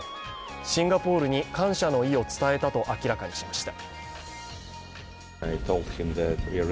シンガポールに感謝の意を伝えたと明らかにしました。